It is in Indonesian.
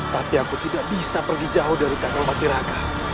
tapi aku tidak bisa pergi jauh dari katang batiraka